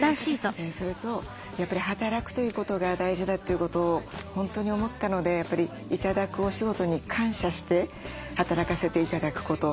それとやっぱり働くということが大事だということを本当に思ったのでやっぱり頂くお仕事に感謝して働かせて頂くこと。